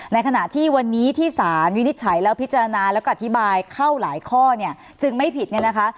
ในขณะที่วันนี้ที่สารวินิจฉัยแล้วพิจารณาแล้วก็อธิบายเข้าหลายข้อเนี่ยจึงไม่ผิดเนี่ยนะคะ